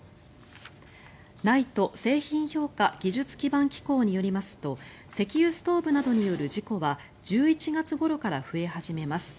ＮＩＴＥ・製品評価技術基盤機構によりますと石油ストーブなどによる事故は１１月ごろから増え始めます。